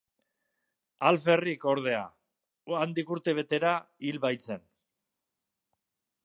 Alferrik, ordea, handik urte betera hil baitzen.